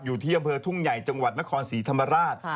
อยู่ที่อำเภอทุ่งใหญ่จังหวัดนครศรีธรรมราช